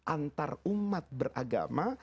antar umat beragama